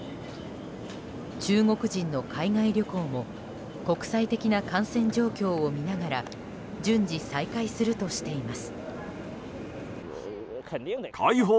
中国人の海外旅行も国際的な感染状況を見ながら順次再開するとしています。